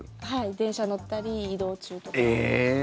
電車に乗ったり移動中とか。